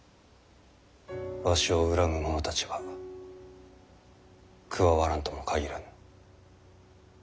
わしを恨む者たちが加わらんとも限らぬ。